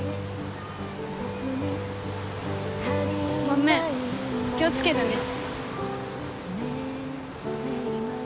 ごめん気を付けるね。